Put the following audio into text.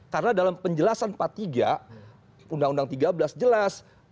karena dalam penjelasan part tiga undang undang tiga belas jelas